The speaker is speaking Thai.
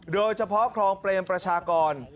โดยเฉพาะคลองเปรมประชากร